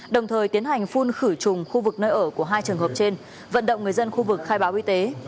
đồng thời tiến hành phun khử trùng khu vực nơi ở của hai trường hợp trên vận động người dân khu vực khai báo y tế